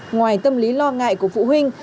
ngoài tâm lý lo ngại của phụ huynh